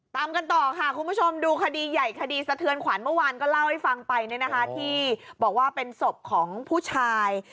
ตามกันต่อค่ะคุณผู้ชมดูคดีใหญ่คดีสะเทือนขวัญเมื่อวานก็เล่าให้ฟังไปที่บอกว่าเป็นศพของผู้ชาย